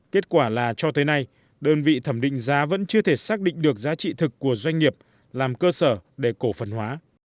kết quả là cho tới nay đơn vị thẩm định giá vẫn chưa thể xác định được giá trị thực của doanh nghiệp làm cơ sở để cổ phần hóa